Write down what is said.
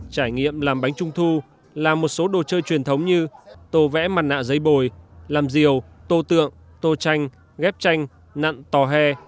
trải nghiệm làm bánh trung thu làm một số đồ chơi truyền thống như tô vẽ mặt nạ dây bồi làm diều tô tượng tô tranh ghép tranh nặn tò he